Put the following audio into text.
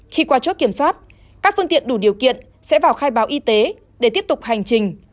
khi qua chốt kiểm soát các phương tiện đủ điều kiện sẽ vào khai báo y tế để tiếp tục hành trình